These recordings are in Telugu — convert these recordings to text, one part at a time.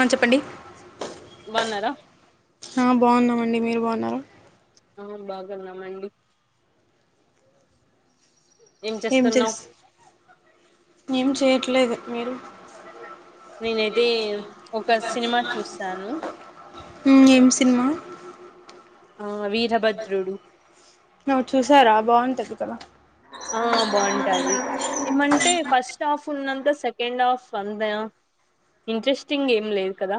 ఆ చెప్పండి న్నారా ఆ బావున్నామండి మీరు బాన్నారు ఆ బాగున్నామండి ఏం చేస్తున్నావ్ ఏం చేయట్లేదు మీరు నేనైతే ఒక సినిమా చూసాను ఉ ఎం సినిమా ఆ వీరభద్రుడు చల ఆ బాగుంటాది ఏమంటే ఫస్ట్ హాఫ్ ఉన్నతా సెకండ్ హాఫ్ అంతా ఇంట్రెస్టింగ్ ఏం లేదు కదా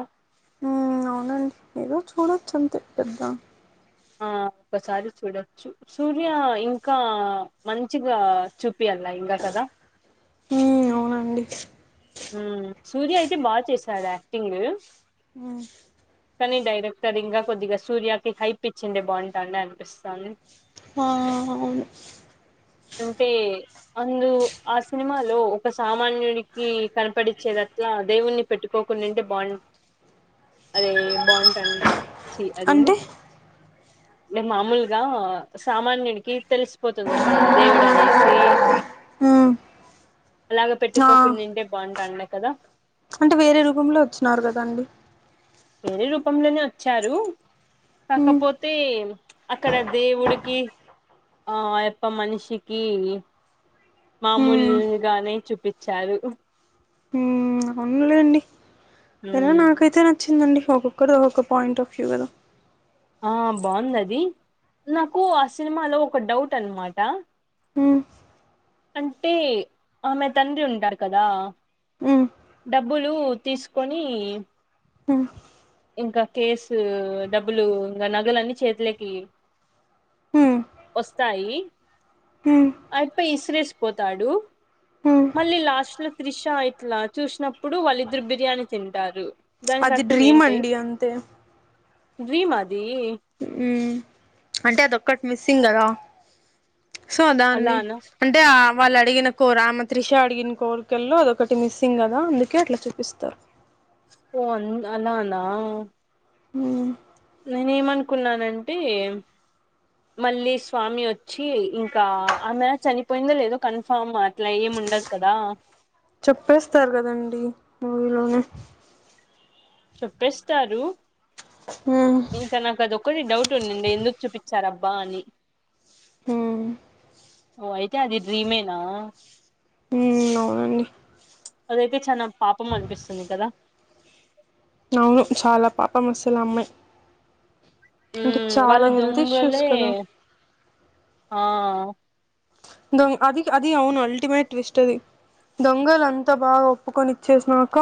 ఉమ్మ్ అవునండి ఎదో చూడొచ్చు అంతే పెద్దా ఆ ఒక్కసారి చూడొచ్చు సూర్య ఇంకా మంచిగా చూపియల్లా ఇంగ కదా ఉమ్మ్ అవునండి ఉమ్మ్ సూర్య అయితే బాగా చేశాడు యాక్టింగ్ ఉమ్మ్ కానీ డైరెక్టర్ ఇంకా కొద్దిగా సూర్యాకి హైపిచ్చిండే బాగుంటండే అనిపిస్తాంది ఆఆ అవును అంటే అందు ఆ సినిమాలో ఒక సామాన్యుడికి కనపడిచేదట్లా దేవుణ్ణి పెట్టుకోకుండింటే బాగుం [inaudible] అదే బాగుంటాండే చి అదే అంటే మేం మామూలుగా సామాన్యునికి తెలిసిపోతుంది కదా దేవుడు అనేసి మ్మ్ అలాగా ఆ పెట్టుకోకుండుంటే బాగుంటాండే కదా అంటే వేరే రూపంలో వచ్చినారు కదాండి వేరే రూపంలోనే వచ్చారు మ్మ్ కాకపోతే అక్కడ దేవుడికి ఆ అయప్ప మనిషికి మ్మ్ మామూలుగానే చూపిచ్చారు లేండి సరే మ్మ్ నాకైతే నచ్చిందండి ఒక్కొక్కరిది ఒక్కొక్క పాయింట్ ఆఫ్ వ్యూ కదా ఆ బాగుందది నాకు ఆ సినిమాలో ఒక డౌట్ అనమాట మ్మ్ అంటే ఆమె తండ్రి ఉంటారు కదా మ్మ్ డబ్బులు తీసుకొని మ్మ్ ఇంకా కేసు డబ్బులు ఇంకా నగలన్నీ చేతిలేకి మ్మ్ వస్తాయి మ్మ్ అయప్ప ఇసిరేసి పోతాడు మళ్ళీ లాస్ట్లో త్రిషా ఇట్లా చూసినప్పుడు వాళ్ళిద్దరు బిర్యానీ తింటారు దానికి అది అర్థం ఏం డ్రీమ్ అండి అంతే ద్వి మా ఉమ్మ్ అంటే అదొక్కటి మిస్సింగ్ కదా సో దాన్ని అలానా అంటే ఆ వాళ్ళు అడిగిన కో ఆమె త్రిష అడిగిన కోరికల్లో అదొకటి మిస్సింగ్ కదా అందుకే అట్లా చూపిస్తారు ఓన్ అలానా ఉమ్మ్ నేనే ఎమనుకున్నానంటే మళ్ళీ స్వామి వచ్చి ఇంకా ఆమె చనిపోయిందో లేదో కన్ఫామ్ అట్లా ఏమి ఉండదు కదా చెప్పేస్తారు కదండి మూవీలోనే చెప్పేస్తారు మ్మ్ ఇంకా నాకు అదొక్కటి డౌట్ ఉండిండే ఎందుకు చూపించారబ్బా అని ఉమ్మ్ ఓ అయితే అది డ్రీమేనా ఉమ్మ్ అవునండి అదైతే చానా పాపం అనిపిస్తుంది కదా అవును చాలా పాపం అసలు అమ్మాయి అంటే ఉమ్ చాలా వాళ్ళు హెల్త్ ఇష్యూస్ దొంగలే కదా ఆ దొం అది అది అవును అల్టిమేట్ ట్విస్ట్ అది దొంగలు అంతా బాగా ఒప్పుకొని ఇచ్చేసినాక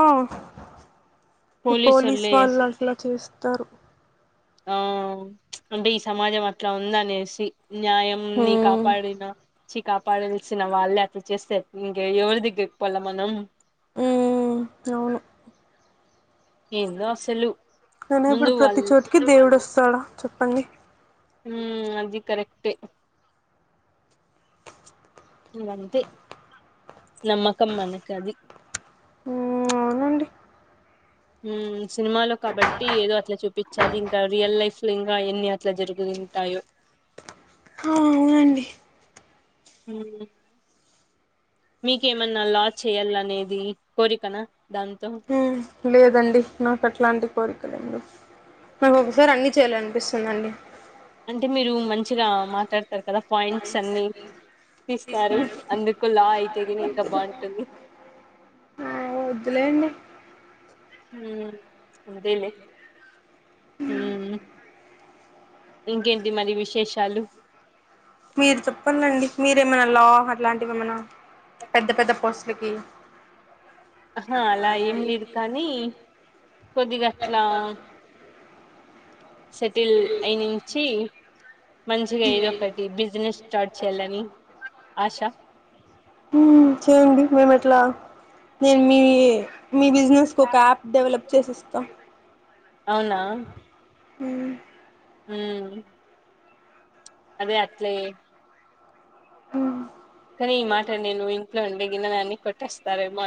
ఈ పోలీసు పోలీసోళ్ళే వాళ్ళు అట్లా చేస్తరు ఆ అంటే ఈ సమాజం అట్లా ఉందనేసి న్యాయం ని కాపాడినా చి కాపాడాల్సిన వాళ్ళే అట్లా చేస్తే ఇంక ఎవరి దగ్గరకి పోవాలే మనం ఉమ్ అవును ఏందో అసలు అయినా ముందు ఇప్పుడు వాళ్ళ ప్రతి చోటికి దేవుడొస్తాడా చెప్పండి ఉమ్ అది కరెక్టే ఇగ అంతే నమ్మకం మనకు అది [inaudible] అవునండి ఉమ్ సినిమాలో కాబట్టి ఏదో అట్లా చూపించాలి ఇంకా రియల్ లైఫ్ లో ఇంకా ఎన్ని అట్లా జరుగు ఉంటాయో ఆ అవునండి ఉమ్ మీకేమన్నా లా చేయాలనేది కోరికనా దాంతో లేదండి నాకు అట్లాంటి కోరికలేం లేవ్ నాకు ఒకసారి అన్నీ చేయ్యాల అనిపిస్తుందండి అంటే మీరు మంచిగా మాట్లాడతారు కదా పాయింట్స్ అన్ని తీస్తారు అందుకు లా అయితే గినా ఇంకా బాగుంటుంది ఓ వద్దులేండి ఉమ్ అదేలే ఉమ్ ఇంకేంటి మరి విశేషాలు మీరు చెప్పండండి మీరేమైనా లా అట్లాంటివి ఏమన్నా పెద్ద పెద్ద పోస్ లకి ఆహా అలా ఏం లేదు కానీ కొద్దిగా అట్లా సెటిల్ అయినించి మంచిగా ఏదో ఒకటి బిజినెస్ స్టార్ట్ చేయాలని ఆశ ఉమ్ చేయండి మేము ఎట్లా మేము మీ మీ బిజినెస్ కొక యాప్ డెవలప్ చేసిస్తాం అవునా ఉమ్ ఉమ్ అదే అట్లే ఆ కానీ ఈ మాట నేను ఇంట్లో అంటే గిన్నలన్ని కొట్టెస్తారేమో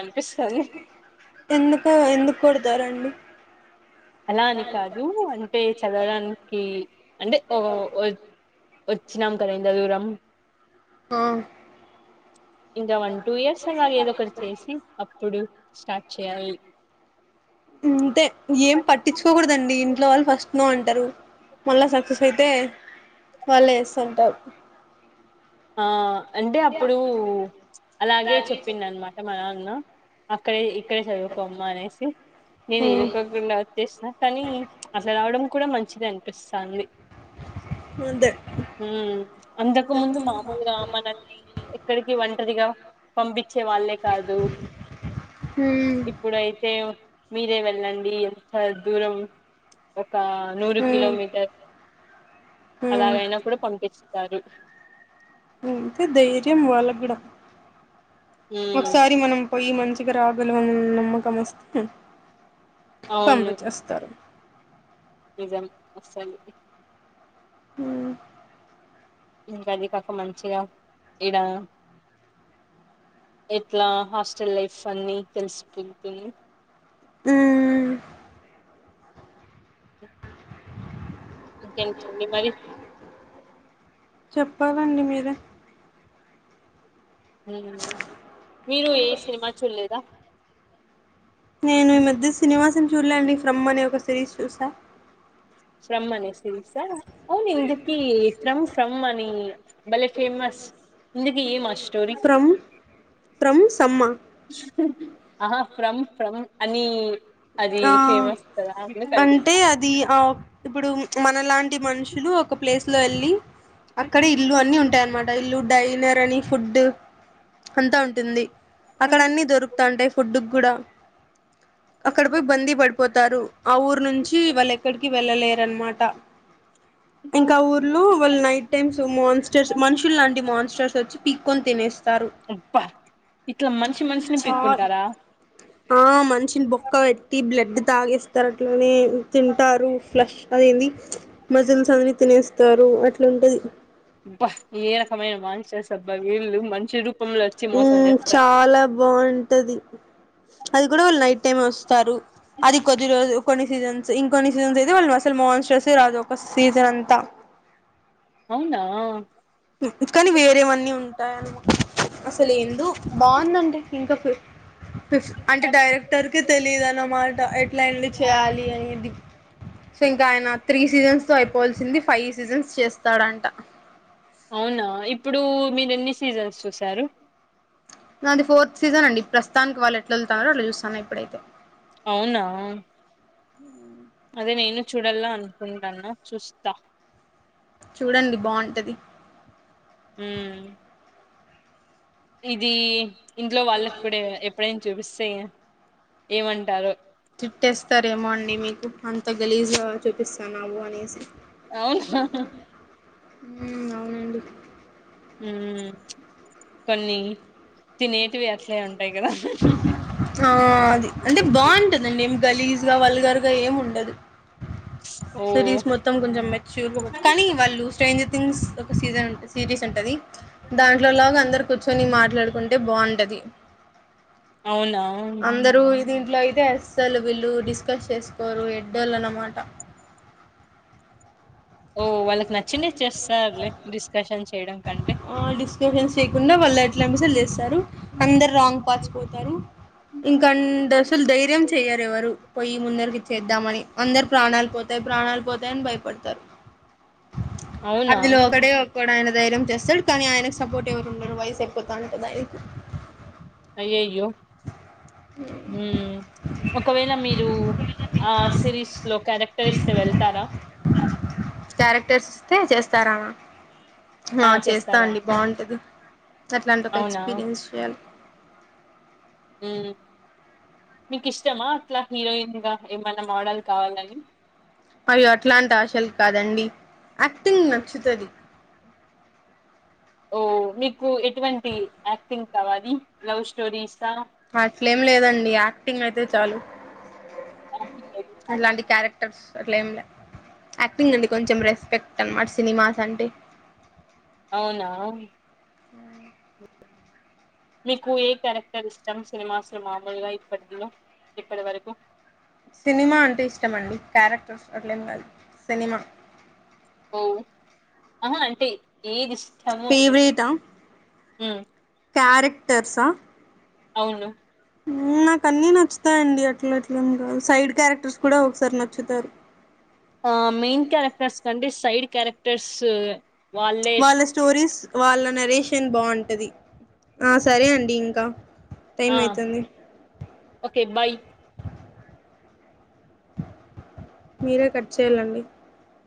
ఎందుకు ఎందుకు కొడతారండి అలా అని కాదు అంటే చదవడానికి అంటే వ వచ్చినంక జదువురాం ఆ ఇంకా వన్ టూ ఇయర్స్ అలా ఏదో ఒకటి చేసి అప్పుడు స్టార్ట్ చేయాలి అంతే ఏం పట్టించుకోగూడదండి ఇంట్లో వాళ్ళు ఫస్ట్ నో అం అంటారు మళ్ళా సక్సెస్ అయితే వాళ్ళే ఏస్తుంటారు ఆ అంటే అప్పుడు అలాగే చెప్పిండు అనమాట మా నాన్నా అక్కడే ఇక్కడే చదువుకోమ్మా అనేసి నీను ఇనుకోకుండా వచ్చేసా కానీ అట్లా రావడం కూడా మంచి మంచిదే అనిపిస్తంది అదే మ్మ్ అంతకు ముందు మా మాముూలుగా మనల్ని ఎక్కడికి ఒంటరిగా పంపించే వాళ్ళే కాదు ఉమ్ ఇప్పుడు అయితే మీరే వెళ్ళండి ఎంత దూరం ఒక నూరు కిలోమీటర్ ఉమ్ అలాగైనా కూడా పంపించు తారు అంతే ధైర్యం వాళ్ళకు కూడా ఉమ్ ఒకసారి మనం పోయి మంచిగా రాగలమాని నమ్మకం వస్తే అవును పంపించేస్తారు నిజం అసలు ఆ ఇంకా అది కాక మంచిగా ఇడా ఎట్లా హాస్టల్ లైఫ్ అన్ని తెలిసిపోతుంది మ్మ్ ఇంకేంటాండి మరి చెప్పాలండి మీరే మీరు ఏ సినిమా చూడలేదా నేను ఈ మధ్య సినిమాస్ ఏం చూడలేదండి ఫ్రమ్ అనే ఒక సిరీస్ చూసా ఫ్రమ్ అనే సిరిస్ ఆ అవును ఇంతకి ఫ్రమ్ సమ్ అని బలే ఫేమస్ ఇందుకి ఇమ్ అర్స్ ఫ్రమ్ ఫ్రమ్ సమ్మ ఆహ ఫ్రమ్ ఫ్రమ్ అని అది ఆ ఫేమస్ కదా అందుకు అడిగిన అంటే అది ఆ ఇప్పుడు మనలాంటి మనుషులు ఒక ప్లేస్ లో వెళ్ళి అక్కడే ఇల్లు అన్ని ఉంటాయి అన్నమాట ఇల్లు డైనర్ అని ఫుడ్ అంతా ఉంటుంది అక్కడ అన్నీ దొరుకుతాంటాయి ఫుడ్డు కూడా అక్కడ పోయి బందీ పడిపోతారు ఆ ఊరు నుంచి వాళ్ళు ఎక్కడికి వెళ్ళలేరన్నమాట ఇంకా ఆ ఊర్లో వాళ్ళు నైట్ టైమ్స్ మోన్స్టర్స్ మనుషులు లాంటి మాన్స్టర్స్ వొచ్చ పీక్కొని తినేస్ అబ్బ ఇట్లా మనిషి మనిషిని చా పిక్కుంటారా ఆ మనిషిని బో పెట్టి బ్లడ్ తాగేస్తారు అట్లానే తింటారు ఫ్లష్ అది ఏంది మజిల్స్ తనని తినేస్తారు అట్లాంటది అబ్బ ఏ రకమైన మనసస్ అబ్బా వీళ్ళు మంచులు మ్మ్ చాలా బాగుంటది అది కూడా వాళ్ళు నైట్ టైమ్ వస్తారు అది కొద్ది రోజులు కొన్ని సీజన్స్ ఇంకొన్ని సీజన్స్ అయితే వాళ్ళు అసలు మెన్సస్ ఏ రాదు ఒక సీజన్ అంతా అవునా కానీ వేరేవన్నీ ఉంటాయేమో అసలు ఎందో బాగుంది అండి ఇంతకి అంటే డైరెక్టర్ కే తెలియదు అన్నమాట ఎట్లా అయిన చేయాలి అనేది సో ఇంకా ఆయన త్రీ సీజన్స్ లో అయిపోవల్సింది ఫైవ్ సీజన్స్ చేస్తాడంట అవునా ఇప్పుడు మీరు ఎన్ని సీజన్స్ చూసారు నాది ఫోర్త్ సీజన్ అండి ప్రస్తుతానికి వాళ్ళు ఎట్లా వొదులుతున్నారో అట్లా చూస్తాన్న ఇప్పుడైతే అవునా అదే నేను చూడల్లా అనుకుంటాన్నా చూస్తా చూడండి బావుంటది ఉమ్ ఇది ఇంట్లో వాళ్ళకి కూడా ఎప్పుడైనా చూపిస్తే ఏమంటారు తిట్టేస్తారేమో అండి మీకు అంత గలీజుగా చూపిస్తున్నావు అనేసి అవున అవునండి ఉ కొన్ని తినేటివి అట్లే అం ఆ అది అంటే బాగుంటదండి గలీజ్గా వల్గర్గా ఏం ఉండదు ఓ సరీస్ మొత్తం కొంచెం మెచ్యూర్ పోదు కానీ వాళ్ళు స్ట్రేంజర్ థింగ్స్ సీజ సిరీస్ ఉంటది దాంట్లో లాగా అందరు సో నేను మాట్లాడుకుంటే బాగుంటది అవునా అందరూ దీంట్లో అయితే అస్సలు వీళ్ళు డిస్కస్ చేసుకోరు ఎడ్డోళ్లు అన్నమాట [inaudible] ఓ వాళ్ళకి నచ్చిందే చేస్తారులే డిస్కషన్స్ ఆ డిస్కషన్స్ చేయకుండా వాళ్ళు ఎట్లా మసలు చేస్తారు అందరు రాంగ్ పాస్పోర్ట ఇంకాంద అసలు ధైర్యం చెయ్యరు ఎవరు పోయి ముందరికి ఇచ్చేద్దామని అందరు ప్రాణాలు పోతాయి ప్రాణాలు పోతాయని భయపడతారు అవునా అందిలో ఒకడే వక్కడాయిన ధైర్యం చేస్తాడు కానీ ఆయనకు సపోర్ట్ ఎవరు ఉండరు వయసు ఎయిపోతా ఉంటది ఆయనకి అయ్యయ్యో ఒకవేళ మీరు ఆ సిరీస్ లో క్యారెక్టర్ ఇస్తే వెళ్తారా క్యారెక్టర్స్ ఇస్తే చేస్తారా ఆ చేస్తా అండి బాగుంటుంది అట్లాంటి ఒక అవునా ఎక్స్పీరియన్స్ చేయాలి ఉమ్ మీకు ఇష్టమా అట్లా హీరోయిన్ గా ఏమైన్నా మోడల్ కావాలని అయ్యో అట్లాంటి ఆశలు కాదండి యాక్టింగ్ నచ్చుతాది ఓ మీకు ఎటువంటి యాక్టింగ్ కావాలి లవ్ స్టోరీస్ అట్లేలేదండి యాక్టింగ్ అయితే చాలు అట్లాంటి క్యారెక్టర్స్ అట్ల ఏం లే యాక్టింగ్ అండి కొంచెం రెస్పెక్ట్ అనమాట సినిమాస్ అంటే అవునా మీకు ఏ క్యారెక్టర్ ఇష్టం సినిమాస్లు మామూలుగా ఇప్పట్లో ఇప్పటి వరకు సినిమా అంటే ఇష్టమండి క్యారెక్టర్స్ అట్లేం కాదు సినిమా ఉమ్ ఆహా అంటే ఏది ఇష్టము అనేసి ఫేవరెటా ఉ క్యారెక్టర్సా అవును నాకాన్ని నచ్చుతాయిండి అట్లా అట్లం కాదు సైడ్ క్యారెక్టర్స్ కూడా ఒకసారి నచ్చుతారు ఆ మెయిన్ క్యారెక్టర్స్ కంటే సైడ్ క్యారెక్టర్స్ వాళ్ళే వాళ్ళ స్టోరీస్ వాళ్ళ నరేషన్ బాగుంటా ఆ సరే అండి ఇంకా టైమ్ ఆ అయితుంది ఓకే బాయ్ మీరే కట్ చేయాలండి